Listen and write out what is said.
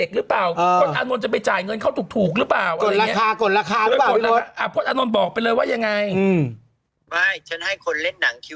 หมดไม่มีสิทธิ์